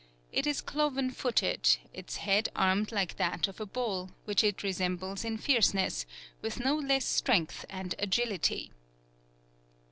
It is cloven footed, its Head armed like that of a Bull, which it resembles in Fierceness, with no less strength and Agility."